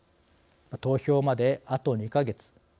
投票まで、あと２か月。